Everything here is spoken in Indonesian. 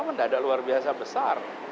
tidak ada luar biasa besar